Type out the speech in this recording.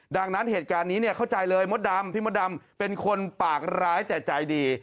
ดังนั้นเหตุการณ์นี้เนี่ยเข้าใจเลยมดดำพี่มดดำเป็นคนปากร้ายแต่ใจดี